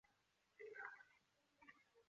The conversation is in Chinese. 普卢埃斯卡。